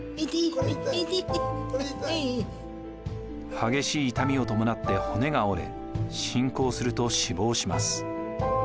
激しい痛みを伴って骨が折れ進行すると死亡します。